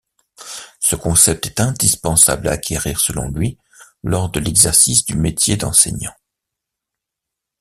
Ce concept est indispensable à acquérir selon lui lors de l'exercice du métier d'enseignant.